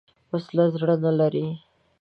وسله زړه نه لري